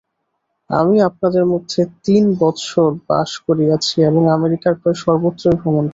আমি আপনাদের মধ্যে তিন বৎসর বাস করিয়াছি এবং আমেরিকার প্রায় সর্বত্রই ভ্রমণ করিয়াছি।